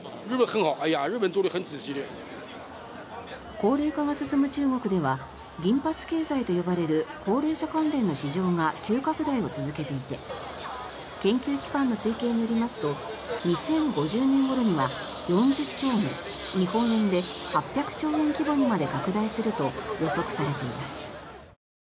高齢化が進む中国では銀髪経済と呼ばれる高齢者関連の市場が急拡大を続けていて研究機関の推計によりますと２０５０年ごろには４０兆元日本円で８００兆円規模にまで拡大すると予測されています。